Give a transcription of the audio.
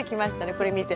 これ見て。